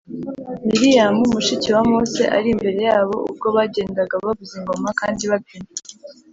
miriyamu, mushiki wa mose ari imbere yabo ubwo bagendaga bavuza ingoma kandi babyina.